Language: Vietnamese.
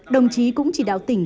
đồng chí cũng chỉ đạo tỉnh